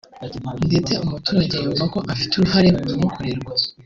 ndetse umuturage yumva ko afite uruhare mu bimukorerwa